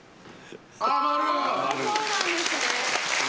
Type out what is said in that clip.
そうなんですね。